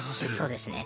そうですね。